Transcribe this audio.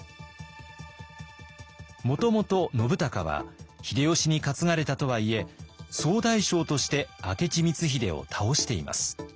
もともと信孝は秀吉に担がれたとはいえ総大将として明智光秀を倒しています。